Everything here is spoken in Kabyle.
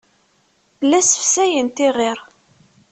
La ssefsayent iɣir.